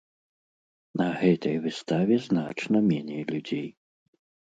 На гэтай выставе значна меней людзей.